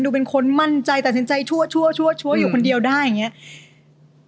เป็นคนมั่นใจตัดสินใจชั่วชั่วอยู่คนเดียวได้อย่างนี้